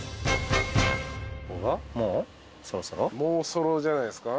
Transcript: もうそろじゃないですか？